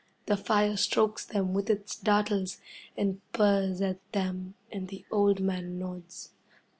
The fire strokes them with its dartles, and purrs at them, and the old man nods.